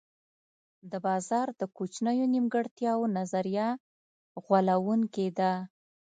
د بازار د کوچنیو نیمګړتیاوو نظریه غولوونکې ده.